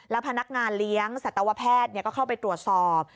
พนักงานเลี้ยงสัตวแพทย์ก็เข้าไปตรวจสอบ